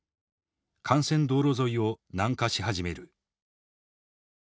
幹線道路沿いを南下し始める。